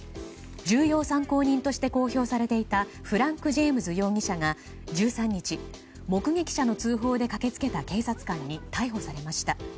重要参考人として公表されていたフランク・ジェームズ容疑者が１３日目撃者の通報で駆け付けた警察官に逮捕されました。